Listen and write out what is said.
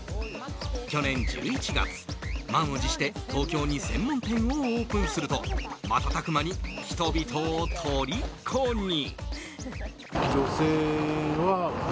去年１１月、満を持して東京に専門店をオープンすると瞬く間に人々をとりこに。